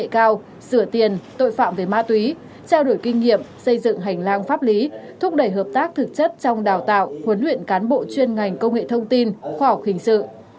công nghệ cao sửa tiền tội phạm về ma túy trao đổi kinh nghiệm xây dựng hành lang pháp lý thúc đẩy hợp tác thực chất trong đào tạo huấn luyện cán bộ chuyên ngành công nghệ thông tin khoa học hình sự